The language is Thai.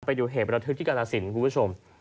ไปดูเหตุประทึกที่กรสินคุณผู้ชม